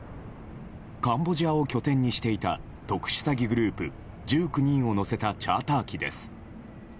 カンボジアを拠点にしていた特殊詐欺グループ１９人を乗せたチャーター機です。